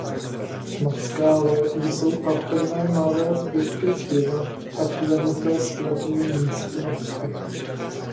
Na skále jsou patrné malé zbytky zdiva a klenuté sklepní místnosti.